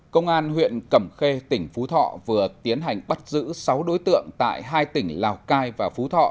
công an huyện cẩm khê tỉnh phú thọ vừa tiến hành bắt giữ sáu đối tượng tại hai tỉnh lào cai và phú thọ